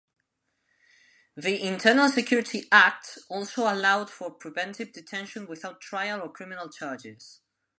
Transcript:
The Internal Security Act also allowed for preventive detention without trial or criminal charges.